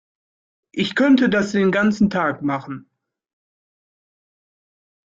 Ich könnte das den ganzen Tag machen.